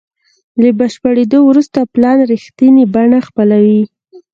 له بشپړېدو وروسته پلان رښتینې بڼه خپلوي.